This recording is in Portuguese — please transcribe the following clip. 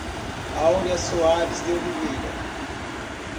Aurea Soares de Oliveira